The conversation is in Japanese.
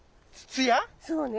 そうね。